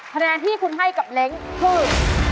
คะแนนที่คุณให้กับเล้งคือ